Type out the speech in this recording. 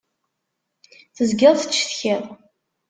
Tezgiḍ tettcetkiḍ.